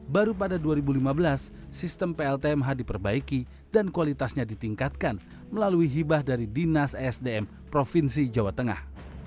baru pada dua ribu lima belas sistem pltmh diperbaiki dan kualitasnya ditingkatkan melalui hibah dari dinas esdm provinsi jawa tengah